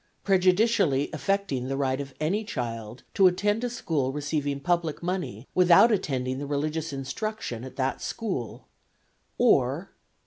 Prejudicially affecting the right of any child to attend a school receiving public money without attending the religious instruction at that school; or "(5.)